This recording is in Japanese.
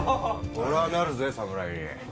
俺ぁなるぜ侍に。